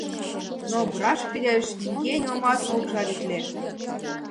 Но брашпилеш нигӧ нимомат ок жаритле.